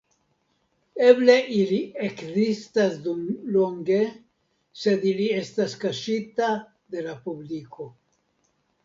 Eble ili ekzistas dum longe sed ili estas kaŝita de la publiko.